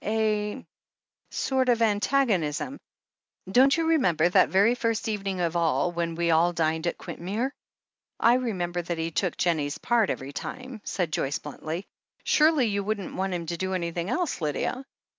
A — a sort of antagonism Don't you remember that very first evening of all, when we all dined at Quintmere?" "I remember that he took Jennie's part every time," said Joyce bluntly. "Surely you wouldn't want him to do anything else, Lydia?